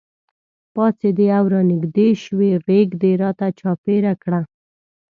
پاڅېدې او رانږدې شوې غېږ دې راته چاپېره کړه.